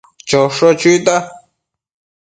Chosho chuita